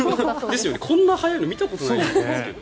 こんな速いの見たことないですけど。